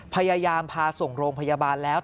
พยายามพาส่งโรงพยาบาลแล้ว